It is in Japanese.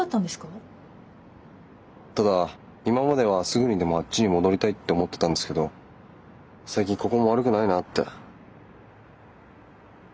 ただ今まではすぐにでもあっちに戻りたいって思ってたんですけど最近ここも悪くないなって。